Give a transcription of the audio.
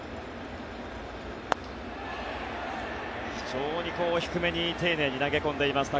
非常に低めに丁寧に投げ込んでいます。